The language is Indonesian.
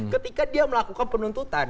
ketika dia melakukan penuntutan